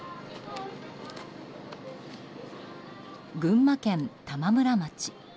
群馬県玉村町。